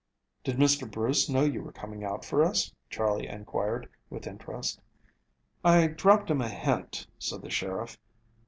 "Did Mr. Bruce know you were coming out for us?" Charley inquired, with interest. "I dropped him a hint," said the sheriff.